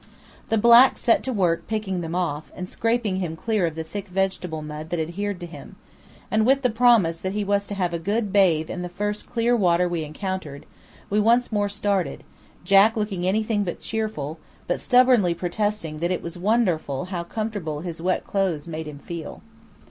The blacks set to work picking them off, and scraping him clear of the thick vegetable mud that adhered to him; and with the promise that he was to have a good bathe in the first clear water we encountered, we once more started, Jack looking anything but cheerful, but stubbornly protesting that it was wonderful how comfortable his wet clothes made him feel.